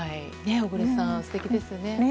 小栗さん、素敵ですね。